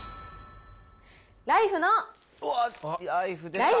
ライフのライフ